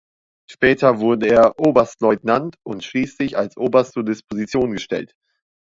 Später wurde er Oberstleutnant und schließlich als Oberst zur Disposition gestellt.